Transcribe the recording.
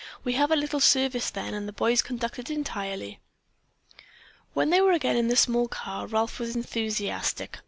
We have a little service then and the boys conduct it entirely." When they were again in the small car, Ralph was enthusiastic.